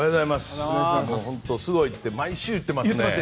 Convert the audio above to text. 本当すごいって毎週言ってますね。